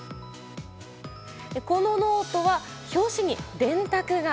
このノートは表紙に電卓が。